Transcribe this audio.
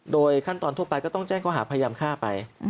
โดยขั้นตอนทั่วไปก็ต้องแจ้งเขาหาพยายามฆ่าไป